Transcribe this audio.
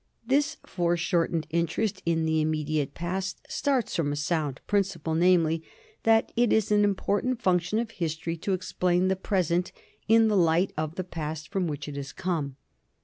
This foreshortened interest 1 8 NORMANS IN EUROPEAN HISTORY in the immediate past starts from a sound principle, namely, that it is an important function of history to explain the present in the light of the past from which it has come.